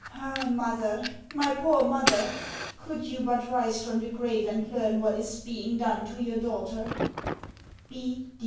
Ah, mother, my poor mother! Could you but rise from the grave and learn what is being done to your daughter!